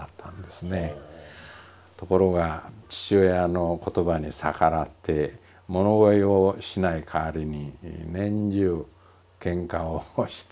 ところが父親の言葉に逆らって物乞いをしないかわりに年中ケンカをして帰ってくると。